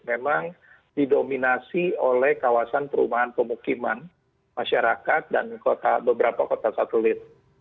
memang didominasi oleh kawasan perumahan pemukiman masyarakat dan beberapa kota satelit